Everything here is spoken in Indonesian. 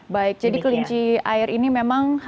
baik jadi kelinci air ini memang